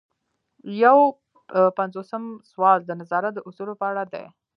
یو پنځوسم سوال د نظارت د اصولو په اړه دی.